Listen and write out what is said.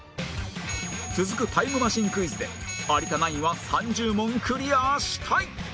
続くタイムマシンクイズで有田ナインは３０問クリアしたい